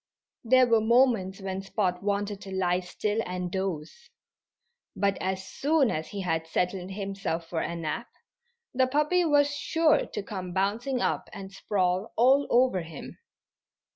There were moments when Spot wanted to lie still and doze. But as soon as he had settled himself for a nap the puppy was sure to come bouncing up and sprawl all over him.